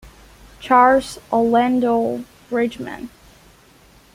Charles Orlando Bridgeman.